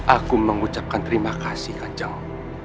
aku mengucapkan terima kasih kanjeng